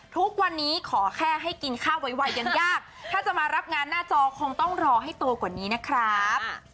ทุกวันนี้ขอแค่ให้กินข้าวไวยังยากถ้าจะมารับงานหน้าจอคงต้องรอให้โตกว่านี้นะครับ